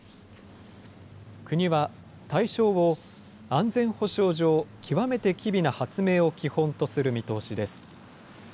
国は、対象を安全保障上、極めて機微な発明を基本とする見通しです。